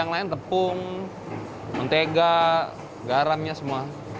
yang lain tepung mentega garamnya semua